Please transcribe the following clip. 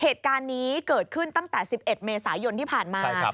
เหตุการณ์นี้เกิดขึ้นตั้งแต่๑๑เมษายนที่ผ่านมา